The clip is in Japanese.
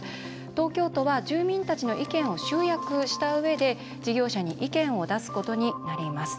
東京都は住民たちの意見を集約したうえで事業者に意見を出すことになります。